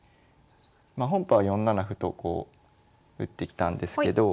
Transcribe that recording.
まあ本譜は４七歩と打ってきたんですけど。